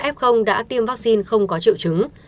tám mươi một f đã tiêm vaccine không có triệu chứng